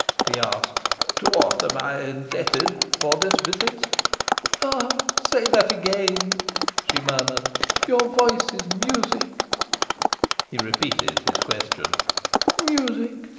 He asked: "To what am I indebted for this visit?" "Ah, say that again!" she murmured. "Your voice is music." He repeated his question. "Music!"